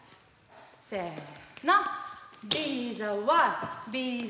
せの！